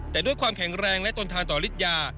แต่ด้วยความแข็งแรงและตนทานต่อฤทธิยา